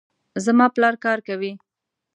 زما پلار کار کوي